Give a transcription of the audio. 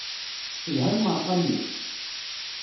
Telha lmeṛqa-nni?